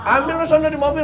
ambil loh soalnya di mobil